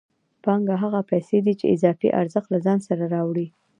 پانګه هغه پیسې دي چې اضافي ارزښت له ځان سره راوړي